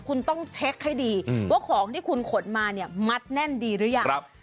คุณต้องเช็คให้ดีว่าของที่คุณขนมาเนี่ยมัดแน่นดีหรือยัง